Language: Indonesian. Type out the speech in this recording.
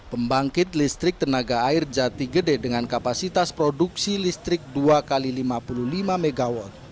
pembangkit listrik tenaga air jati gede dengan kapasitas produksi listrik dua x lima puluh lima mw